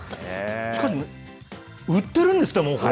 しかし、売っているんですって、もうこれ。